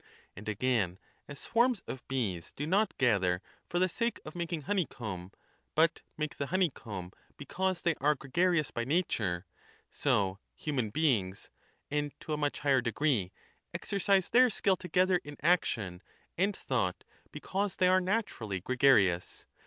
^ And again, as swarms of bees do not gather for the sake of making honeycomb but make the honey comb because theyare gregarious by nature, so human beings— and to a much higher degree — exercise their skill together in action and thouglit because they are naturally gregarious.